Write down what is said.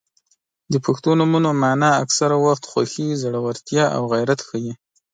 • د پښتو نومونو مانا اکثره وخت خوښي، زړورتیا او غیرت ښيي.